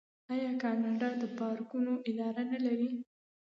آیا کاناډا د پارکونو اداره نلري؟